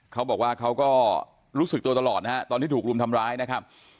เขาบอกว่าเขาก็รู้สึกตัวตลอดนะฮะตอนที่ถูกรุมทำร้ายนะครับ